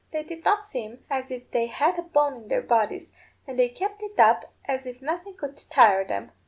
They did not seem as if they had a bone in their bodies, and they kept it up as if nothing could tire them.